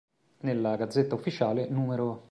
Nella "Gazzetta Ufficiale", "n°.